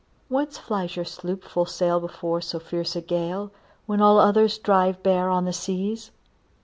"Whence flies your sloop full sail before so fierce a gale, When all others drive bare on the seas?